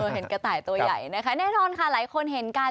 เห็นกระต่ายตัวใหญ่นะคะแน่นอนค่ะหลายคนเห็นกัน